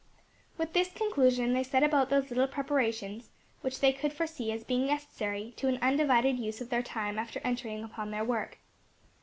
With this conclusion, they set about those little preparations which they could foresee as being necessary to an undivided use of their time after entering upon their work.